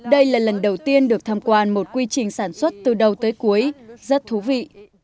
đây là lần đầu tiên được tham quan một quy trình sản xuất từ đầu tới cuối rất thú vị